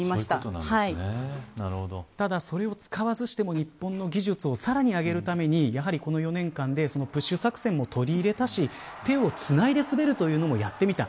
ただ、それを使わずしても日本の技術をさらにあげるためにこの４年間でプッシュ作戦も取り入れたし手をつないで滑ることもやった。